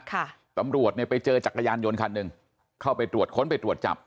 ตำรวจเนี่ยไปเจอจักรยานยนต์คันหนึ่งเข้าไปตรวจค้นไปตรวจจับ